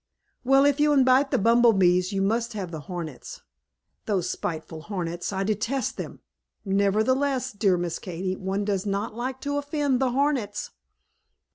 "Well, if you invite the Bumble bees you must have the Hornets." "Those spiteful Hornets, I detest them!" "Nevertheless, dear Miss Katy, one does not like to offend the Hornets."